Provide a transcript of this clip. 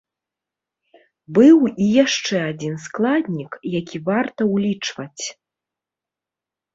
Быў і яшчэ адзін складнік, які варта ўлічваць.